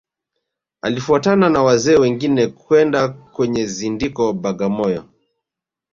Alifuatana na wazee wengine kwenda kwenye zindiko Bagamoyo